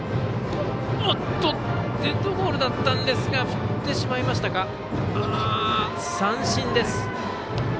デッドボールだったんですが振ってしまいましたか。